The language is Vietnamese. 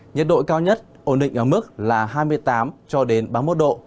nhiệt độ cao nhất ổn định ở mức là hai mươi tám cho đến ba mươi một độ